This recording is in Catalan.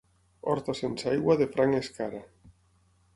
Horta sense aigua, de franc és cara.